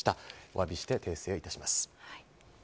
お詫びして、訂正いたします。